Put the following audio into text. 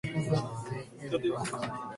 なつめきんのすけ